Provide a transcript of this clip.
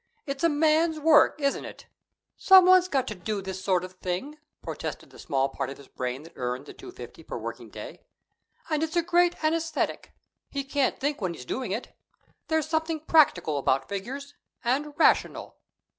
It's a man's work, isn't it?" "Somebody's got to do this sort of thing," protested the small part of his brain that earned the two fifty per working day. "And it's a great anaesthetic. He can't think when he's doing it. There's something practical about figures, and rational."